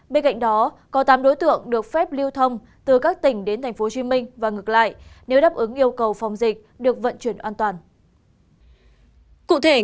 bên cạnh đó có tám đối tượng được phép lưu thông từ các tỉnh đến tp hcm và ngược lại nếu đáp ứng yêu cầu phòng dịch